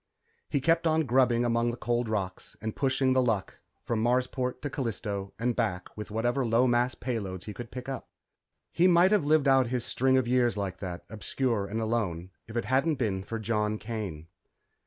He kept on grubbing among the cold rocks and pushing The Luck from Marsport to Callisto and back with whatever low mass payloads he could pick up. He might have lived out his string of years like that, obscure and alone, if it hadn't been for John Kane.